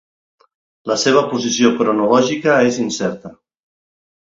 La seva posició cronològica és incerta.